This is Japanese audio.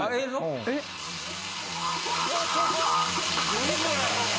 何これ？